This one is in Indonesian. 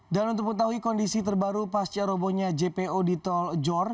dan untuk mengetahui kondisi terbaru pasca robonya jpo di tol jor